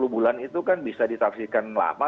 dua puluh bulan itu kan bisa ditaksikan lama